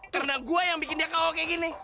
karena gue yang bikin dia ko kayak gini